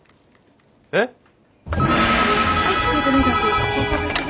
えっ。